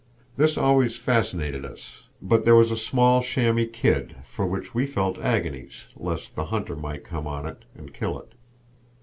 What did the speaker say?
This always fascinated us; but there was a small chamois kid for which we felt agonies lest the hunter might come on it and kill it.